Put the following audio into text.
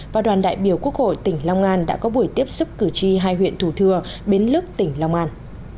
và đoàn đại biểu quốc hội tỉnh long an đã có buổi tiếp xúc cử tri hai huyện thủ thừa bến lức tỉnh long an